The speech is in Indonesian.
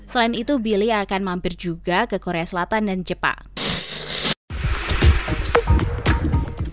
selain itu billy akan mampir juga ke korea selatan dan jepang